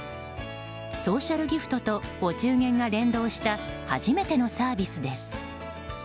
ソーシャルギフトとお中元が連動した初めてのサービスです。